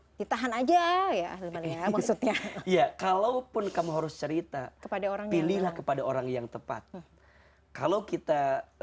hai ditahan aja ya maksudnya ya kalaupun kamu harus cerita kepada orang pilihlah kepada orang yang tepat kalau kita